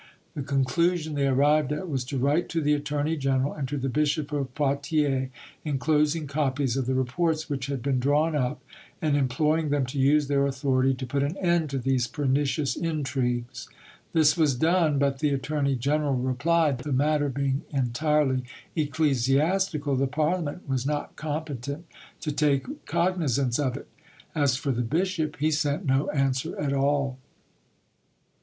The conclusion they arrived at was to write to the attorney general and to the Bishop of Poitiers, enclosing copies of the reports which had been drawn up, and imploring them to use their authority to put an end to these pernicious intrigues. This was done, but the attorney general replied that the matter being entirely ecclesiastical the Parliament was not competent to take cognisance of it. As for the bishop, he sent no answer at all.